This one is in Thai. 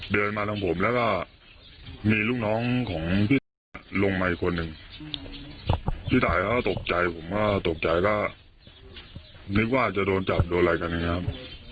พี่ตายก็นึกว่าจะโดนจับโดนอะไรกันนี้ครับ